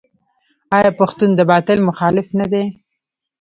آیا پښتون د باطل مخالف نه دی؟